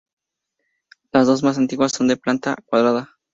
Las dos más antiguas son de planta cuadrada.